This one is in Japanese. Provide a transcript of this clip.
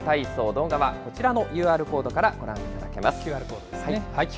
動画はこちらのＱＲコードからご覧いただけます。